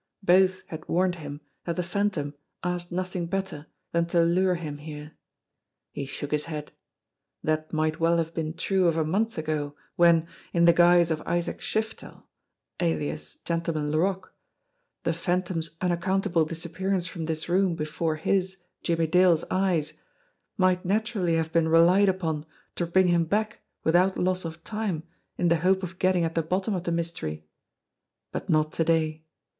Both had warned him that the Phantom asked nothing better than to lure him here. He shook his head. That might well have been true of a month ago, when, in the guise of Isaac Shiftel, alias Gentleman Laroque, the Phantom's unaccountable disap pearance from this room before his, Jimmie Dale's, eyes, might naturally have been relied upon to bring him back without loss of time in the hope of getting at the bottom of the mystery. But not to day.